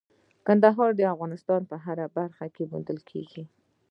کندهار د افغانستان په هره برخه کې موندل کېږي.